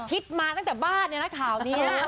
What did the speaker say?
ก็คิดมาตั้งจากบ้านเนี่ยนะข่าวนี้